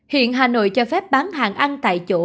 hiện hà nội cho phép bán hàng ăn tại chỗ